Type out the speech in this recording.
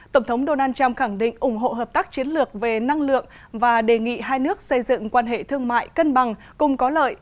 tổng thống donald trump khẳng định ủng hộ hợp tác chiến lược về năng lượng và đề nghị hai nước xây dựng quan hệ thương mại cân bằng cùng có lợi